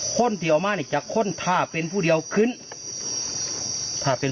คนเดี๋ยวมานี่จะข่ก้นภาพเป็นผู้เดียวขึ้น